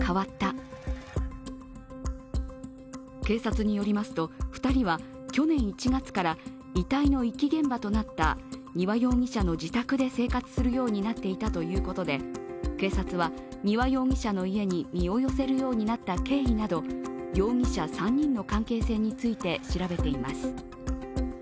警察によりますと、２人は去年１月から遺体の遺棄現場となった丹羽容疑者の自宅で生活するようになっていたということで、警察は、丹羽容疑者の家に身を寄せるようになった経緯など容疑者３人の関係性について調べています。